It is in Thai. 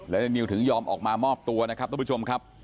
และในนิวถึงยอมออกมามอบตัวนะครับทุกผู้ชมครับ